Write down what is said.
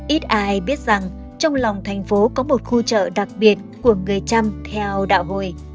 ít ai biết rằng trong lòng thành phố có một khu chợ đặc biệt của người trăm theo đạo hồi